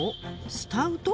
スタウト？